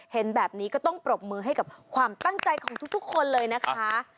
เห็นแบบนี้ก็ต้องปรบมือให้กับความตั้งใจของทุกคนเลยนะคะ